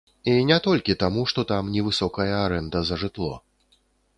І не толькі таму што там невысокая арэнда за жытло.